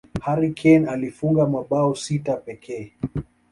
harry kane alifunga mabao sita pekee